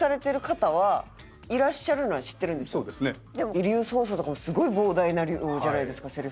『遺留捜査』とかもすごい膨大な量じゃないですかセリフ量が。